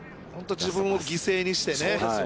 ◆本当、自分を犠牲にしてね。